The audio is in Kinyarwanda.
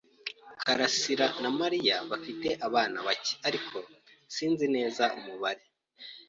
Karasirana Mariya bafite abana bake, ariko sinzi neza umubare.